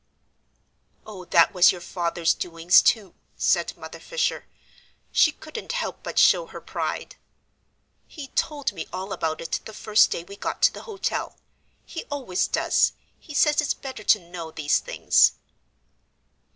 "Oh, that was your father's doings, too," said Mother Fisher. She couldn't help but show her pride. "He told me all about it the first day we got to the hotel. He always does; he says it's better to know these things."